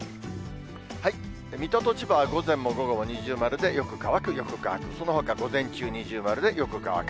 水戸と千葉は午前も午後も二重丸でよく乾く、よく乾く、そのほか午前中、二重丸でよく乾く。